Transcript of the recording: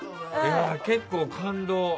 結構、感動。